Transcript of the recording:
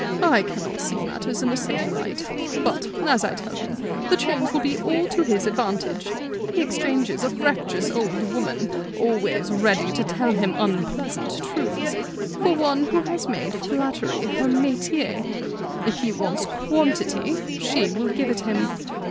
I cannot see matters in the same light. But, as I tell him, the change will be all to his advantage. He exchanges a fractious old woman, always ready to tell him unpleasant truths, for one who has made flattery her métier. If he wants quantity she will give it him.